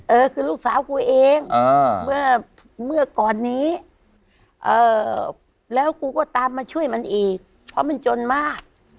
เออคือลูกสาวกูเองเมื่อก่อนนี้แล้วกูก็ตามมาช่วยมันอีกเพราะมันจนมาก